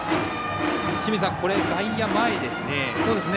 清水さん、外野が前ですね。